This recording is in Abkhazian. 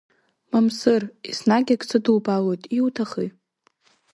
Мамсыр, еснагь ак сыдубалоит, иуҭахи?